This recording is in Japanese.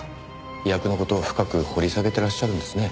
役の事を深く掘り下げてらっしゃるんですね。